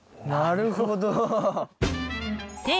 なるほど。